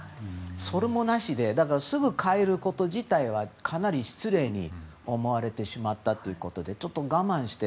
それもなしですぐ帰ること自体はかなり失礼に思われてしまったということでちょっと我慢して。